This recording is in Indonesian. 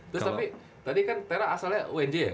terus tapi tadi kan tera asalnya unj ya